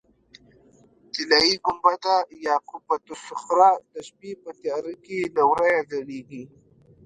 طلایي ګنبده یا قبة الصخره د شپې په تیاره کې له ورایه ځلېږي.